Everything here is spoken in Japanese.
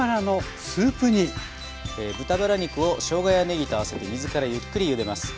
豚バラ肉をしょうがやねぎと合わせて水からゆっくりゆでます。